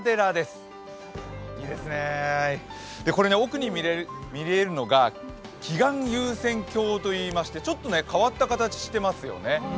これ、奥に見れるのが奇岩遊仙境といいまして、ちょっと変わった形、してますよね